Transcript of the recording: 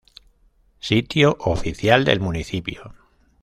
Sitio oficial del Municipio